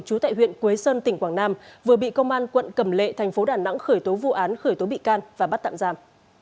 chú tại huyện quế sơn tỉnh quảng nam vừa bị công an quận cầm lệ thành phố đà nẵng khởi tố vụ án khởi tố bị can và bắt tạm giam